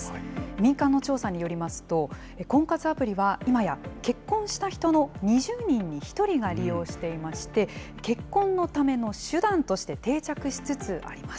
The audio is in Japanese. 民間の調査によりますと、婚活アプリは今や結婚した人の２０人に１人が利用していまして、結婚のための手段として定着しつつあります。